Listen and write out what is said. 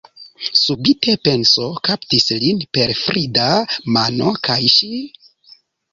Subite penso kaptis lin per frida mano: kaj ŝi?